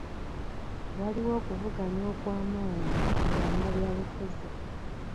Waliwo okuvuganya okw'amanyi mu bannabyabufuzi.